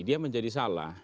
dia menjadi salah